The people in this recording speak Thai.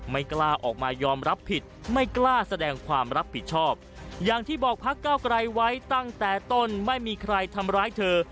ไม่กล้าออกมายอมรับผิดไม่กล้าแสดงความรับผิดชอบอย่างที่บอกพักเก้าไกลไว้ตั้งแต่ต้นไม่มีใครทำร้ายเธอ